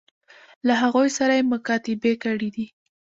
له هغوی سره یې مکاتبې کړي دي.